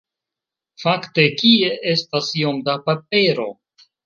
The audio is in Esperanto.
Fakte, kie estas iom da papero?